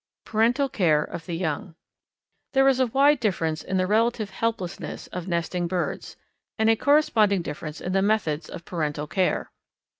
Parental Care of Young. There is a wide difference in the relative helplessness of nesting birds, and a corresponding difference in the methods of parental care.